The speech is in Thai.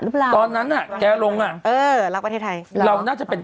ตอนนั้นอ่ะแกลงอ่ะเออรักประเทศไทยเราน่าจะเป็น